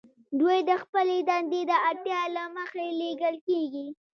دوی د خپلې دندې د اړتیا له مخې لیږل کیږي